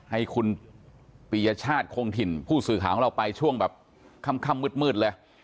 ให้คุณปียชาติคงถิ่นผู้สื่อข่าวของเราไปช่วงแบบค่ำมืดเลย